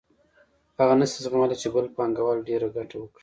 هغه نشي زغملای چې بل پانګوال ډېره ګټه وکړي